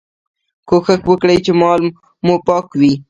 کوښښ وکړئ چي مال مو پاک وي.